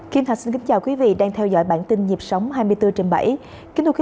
kim thạch xin kính chào quý vị đang theo dõi bản tin nhịp sống hai mươi bốn trên bảy